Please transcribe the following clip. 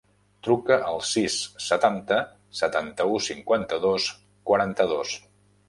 Truca al sis, setanta, setanta-u, cinquanta-dos, quaranta-dos.